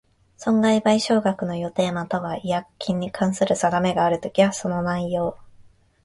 損害賠償額の予定又は違約金に関する定めがあるときは、その内容